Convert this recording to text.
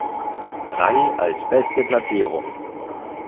Rang als beste Platzierung.